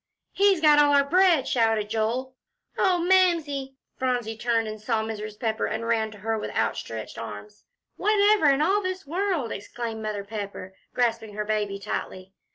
"He's got all our bread!" shouted Joel. "Oh, Mamsie!" Phronsie turned and saw Mrs. Pepper, and ran to her with outstretched arms. "Whatever in all this world," exclaimed Mother Pepper, grasping her baby tightly.